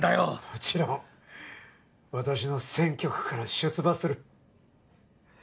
もちろん私の選挙区から出馬する。